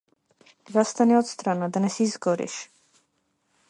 Застани отсрана да не се изгориш.